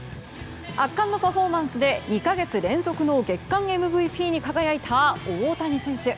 圧巻のパフォーマンスで２か月連続の月間ＭＶＰに輝いた大谷選手。